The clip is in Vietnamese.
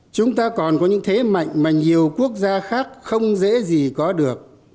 chúng ta còn có những thế mạnh mà nhiều quốc gia khác không dễ gì có được